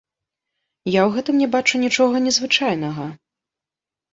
Я ў гэтым не бачу нічога незвычайнага.